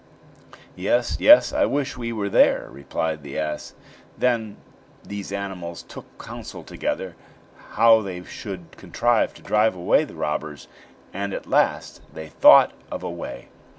"Yes, yes, I wish we were there," replied the ass. Then these animals took counsel together how they should contrive to drive away the robbers, and at last they thought of a way.